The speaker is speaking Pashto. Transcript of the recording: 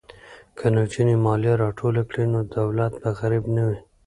که نجونې مالیه راټوله کړي نو دولت به غریب نه وي.